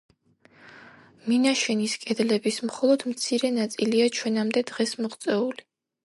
მინაშენის კედლების მხოლოდ მცირე ნაწილია ჩვენამდე დღეს მოღწეული.